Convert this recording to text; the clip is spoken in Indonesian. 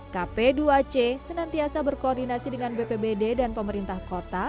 kp dua c senantiasa berkoordinasi dengan bpbd dan pemerintah kota